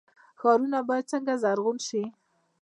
ښارونه باید څنګه زرغون شي؟